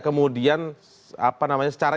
kemudian apa namanya secara